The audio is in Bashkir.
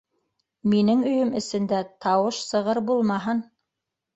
Минең өйөм эсендә тауыш сығыр булмаһын.